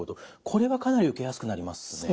これはかなり受けやすくなりますね。